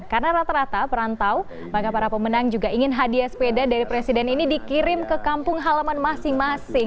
karena rata rata perantau maka para pemenang juga ingin hadiah sepeda dari presiden ini dikirim ke kampung halaman masing masing